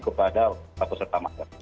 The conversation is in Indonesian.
kepada kapuserta magang